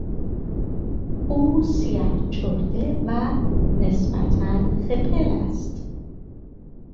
او سیه چرده و نسبتا خپل است.